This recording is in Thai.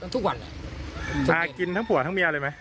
ทุกวันชากินทั้งผัวทั้งเมียเลยไหม